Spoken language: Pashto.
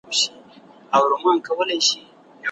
انلاين درسونه زده کوونکو ته د دوامداره زده کړې فرصت برابر کړ.